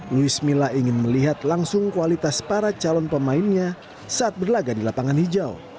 luis mila ingin melihat langsung kualitas para calon pemainnya saat berlaga di lapangan hijau